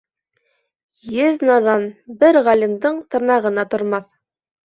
Йөҙ наҙан бер ғалимдың тырнағына тормаҫ.